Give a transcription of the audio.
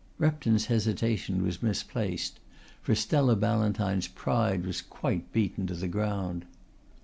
Repton's hesitation was misplaced, for Stella Ballantyne's pride was quite beaten to the ground.